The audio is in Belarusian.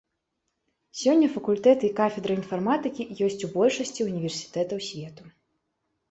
Сёння факультэты і кафедры інфарматыкі ёсць у большасці універсітэтаў свету.